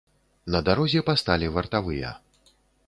На дарозе пасталі вартавыя.